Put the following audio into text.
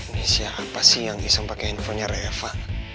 miss ya apa sih yang iseng pake handphonenya reva